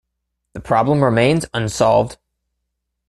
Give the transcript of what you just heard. The problem remains unsolved.